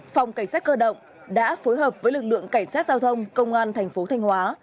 phòng cảnh sát cơ động đã phối hợp với lực lượng cảnh sát giao thông công an thành phố thanh hóa